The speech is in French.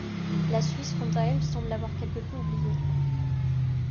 La Suisse, quant à elle, semble l'avoir quelque peu oublié.